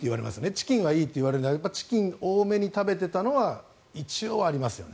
チキンはいいといわれるのでチキンを多めに食べていたのは一応ありますよね。